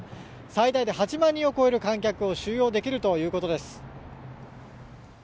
最大で８万人を超える観客を収容できるということです。